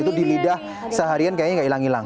itu di lidah seharian kayaknya gak ilang ilang